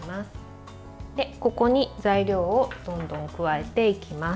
ここに材料をどんどん加えていきます。